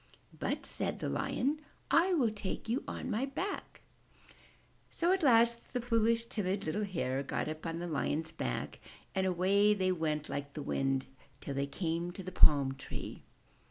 *'But," said the Lion, ''I will take you on my back." So at last the foolish, timid, little Hare got up on the Lion's back and away they went like the wind, till they came to the Palm Tree.